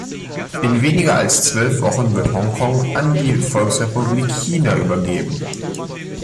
In weniger als zwölf Wochen wird Hongkong an die Volksrepublik China übergehen.